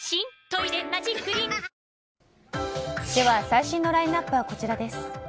最新のラインアップはこちらです。